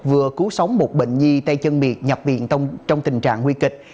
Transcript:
vừa cứu sống một bệnh nhi tay chân miệng nhập viện trong tình trạng nguy kịch